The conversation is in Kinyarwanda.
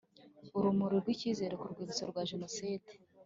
urumuri rw icyizere ku rwibutso rwa jenoside